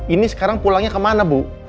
ini sekarang pulangnya ke mana bu